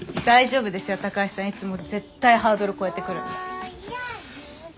大丈夫ですよ高橋さんいつも絶対ハードル超えてくるんだから。